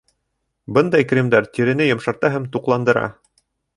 Бындай кремдар тирене йомшарта һәм туҡландыра.